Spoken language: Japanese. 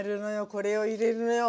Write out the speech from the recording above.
これを入れるのよ。